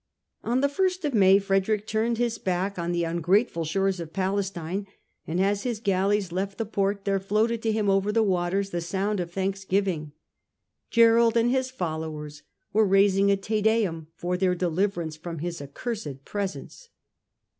On the ist of May Frederick turned his back on the un grateful shores of Palestine, and as his galleys left the port there floated to him over the water the sound of thanksgiving. Gerold and his followers were raising a " Te Deum " for their deliverance from his accursed presence.